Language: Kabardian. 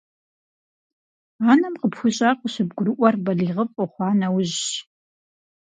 Анэм къыпхуищӀар къыщыбгурыӀуэр балигъыфӀ ухъуа нэужьщ.